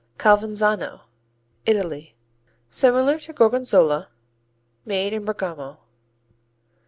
Calvenzano Italy Similar to Gorgonzola, made in Bergamo.